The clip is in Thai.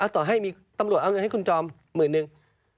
ต่อให้มีตำรวจเอาเงินให้คุณจอมหมื่นนึง